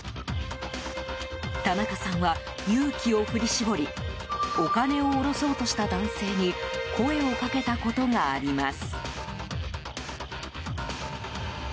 田中さんは、勇気を振り絞りお金を下ろそうとした男性に声を掛けたことがあります。